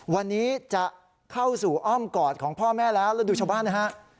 วันนี้จะเข้าสู่อ้อมกอดของพ่อแม่แล้วแล้วดูชาวบ้านนะฮะ